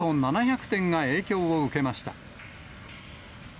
およそ７００店が影響を受けました。